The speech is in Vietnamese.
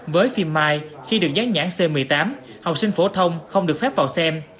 với phim mai khi được gián nhãn c một mươi tám học sinh phổ thông không được phép vào xem